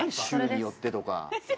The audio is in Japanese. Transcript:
「州によって」とか。